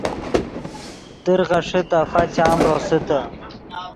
در غیݰے تفا چام روسیتے